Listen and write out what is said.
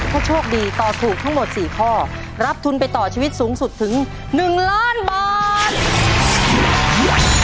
ถ้าโชคดีตอบถูกทั้งหมด๔ข้อรับทุนไปต่อชีวิตสูงสุดถึง๑ล้านบาท